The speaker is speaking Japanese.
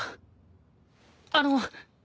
あの。